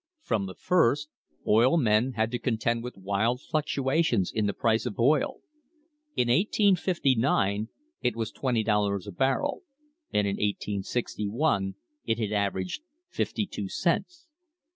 From the first, oil men had to contend with wild fluctuations in the price of oil. In 1859 it was twenty dollars a barrel, and in 1861 it had averaged fifty two cents.